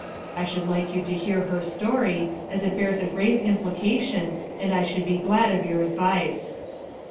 I should like you to hear her story, as it bears a grave implication and I should be glad of your advice."